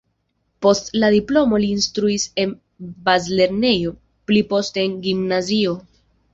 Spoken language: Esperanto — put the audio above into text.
Post la diplomo li instruis en bazlernejo, pli poste en gimnazio.